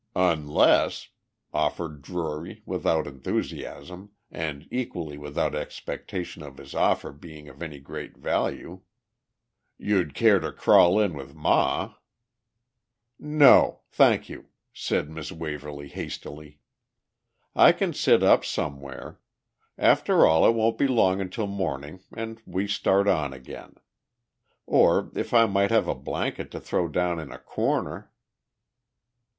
"Unless," offered Drury without enthusiasm and equally without expectation of his offer being of any great value, "you'd care to crawl in with Ma ..." "No, thank you!" said Miss Waverly hastily. "I can sit up somewhere; after all it won't be long until morning and we start on again. Or, if I might have a blanket to throw down in a corner